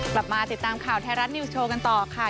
กลับมาติดตามข่าวไทยรัฐนิวส์โชว์กันต่อค่ะ